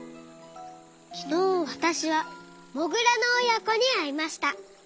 きのうわたしはモグラのおやこにあいました。